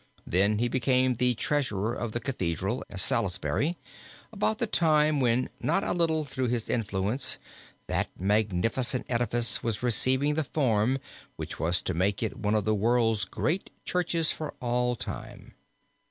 Then, he became the treasurer of the Cathedral at Salisbury about the time when, not a little through his influence, that magnificent edifice was receiving the form which was to make it one of the world's great churches for all time.